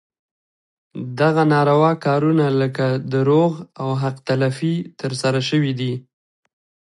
دغه ناروا کارونه لکه دروغ او حق تلفي ترسره شوي دي.